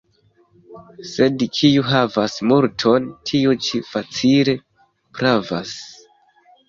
Sed kiu havas multon, tiu ĉi facile pravas.